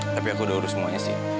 tapi aku udah urus semuanya sih